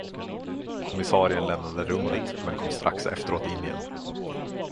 Kommissarien lämnade rummet men kom strax efteråt in igen.